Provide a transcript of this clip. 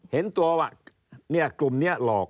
เห็นตัวว่ากลุ่มนี้หลอก